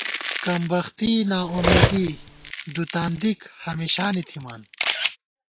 کمبختی، ناامیدی، دُتان دِک ہمیشانی تھِمان